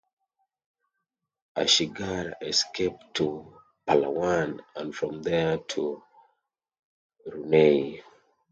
"Ashigara" escaped to Palawan and from there to Brunei.